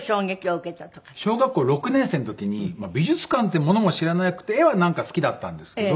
小学校６年生の時に美術館っていうものも知らなくて絵はなんか好きだったんですけど。